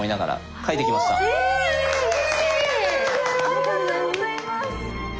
ありがとうございます！